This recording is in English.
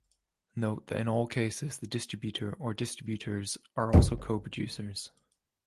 Note that in all cases the distributor or distributors are also co-producers.